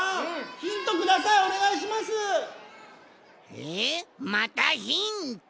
えっまたヒント？